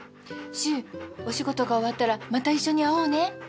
しゅうお仕事が終わったらまた一緒に会おうね。